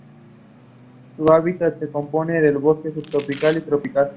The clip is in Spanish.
Su hábitat se compone de bosque subtropical y tropical.